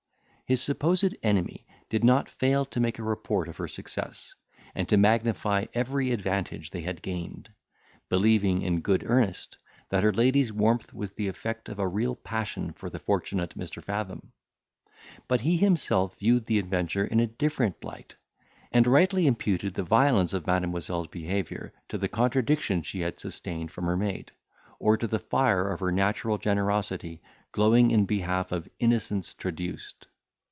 His supposed enemy did not fail to make a report of her success, and to magnify every advantage they had gained; believing, in good earnest, that her lady's warmth was the effect of a real passion for the fortunate Mr. Fathom. But he himself viewed the adventure in a different light, and rightly imputed the violence of Mademoiselle's behaviour to the contradiction she had sustained from her maid, or to the fire of her natural generosity glowing in behalf of innocence traduced.